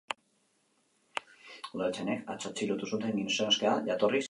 Udaltzainek atzo atxilotu zuten gizonezkoa, jatorriz irakiarra.